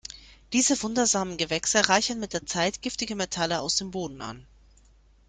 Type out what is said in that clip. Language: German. Diese wundersamen Gewächse reichern mit der Zeit giftige Metalle aus dem Boden an.